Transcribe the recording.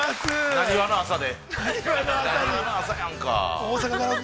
◆なにわの朝で。